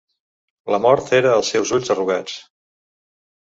"La mort era als seus ulls arrugats."